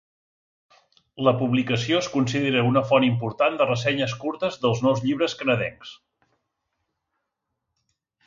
La publicació es considera una font important de ressenyes curtes dels nous llibres canadencs.